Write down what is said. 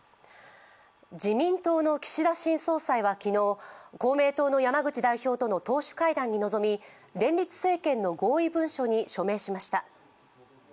自民党の岸田新総裁は昨日、公明党の山口代表との党首会談に臨み連立政権の合意文書に署名しました。